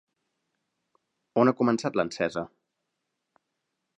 On ha començat l'encesa?